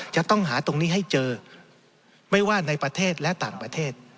จะต้องหาตรงนี้ให้เจอไม่ว่าในประเทศและต่างประเทศ